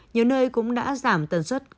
nhiều nơi cũng đã giảm tần suất